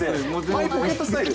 マイポケットスタイル？